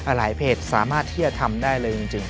หลายเพจสามารถที่จะทำได้เลยจริง